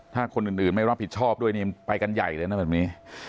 ถ้าคนอื่นไม่รับผิดชอบด้วยนี่ไปกันใหญ่เลยนะแบบนี้